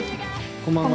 こんばんは。